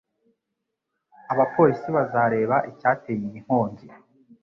Abapolisi bazareba icyateye iyi nkongi.